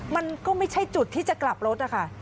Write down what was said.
มันก็ไม่ใช่จุดที่จะกลับรถนะคะ